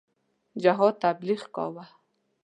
جهاد تبلیغ کاوه.